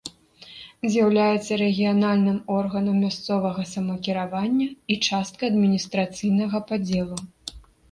З'яўляецца рэгіянальным органам мясцовага самакіравання і часткай адміністрацыйнага падзелу.